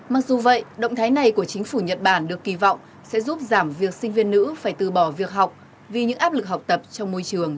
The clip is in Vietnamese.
mặc dù vậy động thái này của chính phủ nhật bản được kỳ vọng sẽ giúp giảm việc sinh viên nữ phải từ bỏ việc học vì những áp lực học tập trong môi trường